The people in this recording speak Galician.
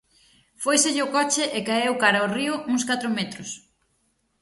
Fóiselle o coche e caeu cara ao río uns catro metros.